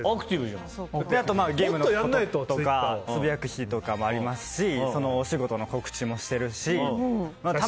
あとゲームのこととかつぶやく日もありますしお仕事の告知もしてるし。